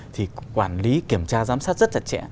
thì quản lý kiểm tra giám sát rất chặt chẽ